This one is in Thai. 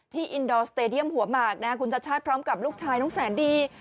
อินดอร์สเตดียมหัวหมากคุณชาติชาติพร้อมกับลูกชายน้องแสนดี